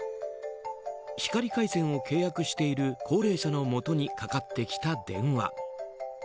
光回線を契約している高齢者のもとにかかってきた電話。